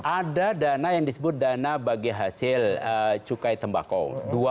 ada dana yang disebut dana bagi hasil cukai tembakau